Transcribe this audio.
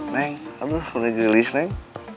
neng aduh sudah jelis neng